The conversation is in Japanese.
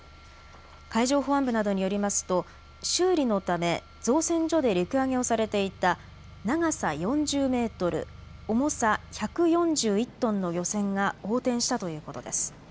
海上保安部などによりますと修理のため造船所で陸揚げをされていた長さ４０メートル重さ１４１トンの漁船が横転したということです。